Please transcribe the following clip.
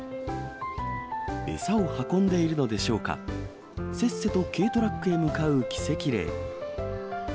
餌を運んでいるのでしょうか、せっせと軽トラックへ向かうキセキレイ。